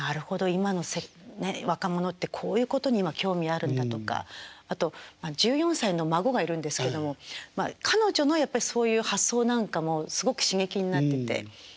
今の若者ってこういうことに今興味あるんだとかあと１４歳の孫がいるんですけども彼女のやっぱりそういう発想なんかもすごく刺激になってて。